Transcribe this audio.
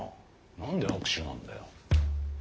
何で握手なんだよ。